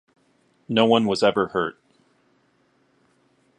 No one was ever hurt.